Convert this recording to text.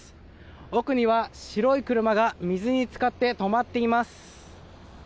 奥には白い車が水につかって止まっています。